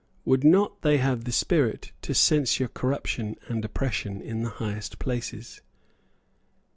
Would not they have the spirit to censure corruption and oppression in the highest places?